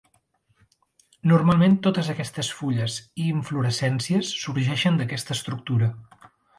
Normalment totes aquestes fulles i inflorescències sorgeixen d'aquesta estructura.